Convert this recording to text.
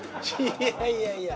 いやいやいや。